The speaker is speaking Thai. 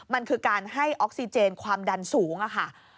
มันคือการให้ออกซิเจนความดันสูงค่ะ